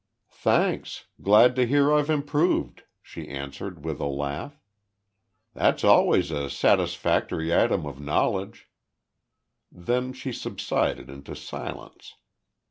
"Thanks. Glad to hear I've improved," she answered, with a laugh. "That's always a satisfactory item of knowledge." Then she subsided into silence.